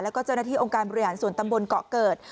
แล้วก็เจ้าหน้าที่องค์การบริหารส่วนตำบลเกาะเกิด